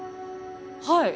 はい。